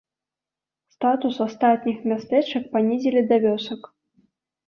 Статус астатніх мястэчак панізілі да вёсак.